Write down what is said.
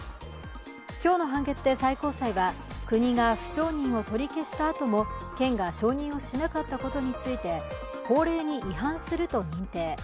今日の判決で最高裁は国が不承認を取り消したあとも県が承認しなかったことについて法令に違反すると認定。